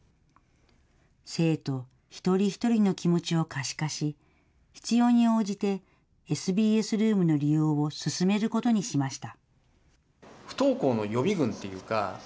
生徒一人一人の気持ちを可視化し、必要に応じてＳＢＳルームの利用を勧めることにしました。